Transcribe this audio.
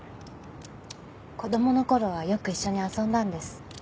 子供の頃はよく一緒に遊んだんです。